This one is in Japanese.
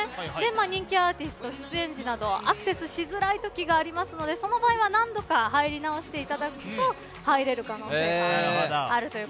人気アーティスト出演時などアクセスしづらいときがありますしてその場合は何度か入り直していただくと入れる可能性がありますという。